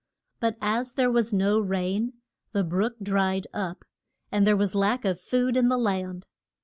But as there was no rain, the brook dried up, and there was lack of food in the land.